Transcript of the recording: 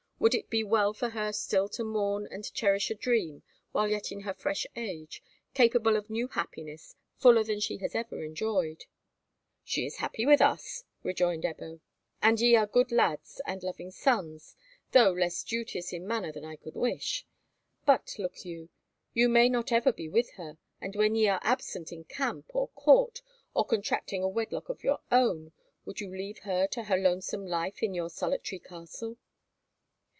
Would it be well for her still to mourn and cherish a dream while yet in her fresh age, capable of new happiness, fuller than she has ever enjoyed?" "She is happy with us," rejoined Ebbo. "And ye are good lads and loving sons, though less duteous in manner than I could wish. But look you, you may not ever be with her, and when ye are absent in camp or court, or contracting a wedlock of your own, would you leave her to her lonesome life in your solitary castle?"